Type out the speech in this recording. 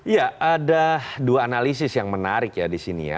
ya ada dua analisis yang menarik ya di sini ya